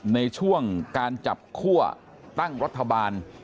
ในช่วงการจับคั่วตั้งรัฐบาล